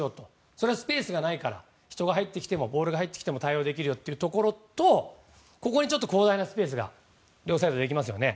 それはスペースがないから人が入ってきてもボールが入ってきても対応できるところとここに広大なスペースが両サイドにできますよね。